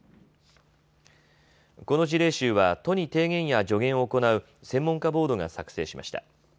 この事例集は都に提言や助言を行う専門家ボードが作成しました。